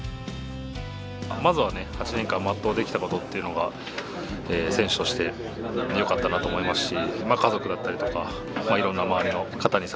まずは８年間まっとうできたことというのが選手としてよかったなと思いますし。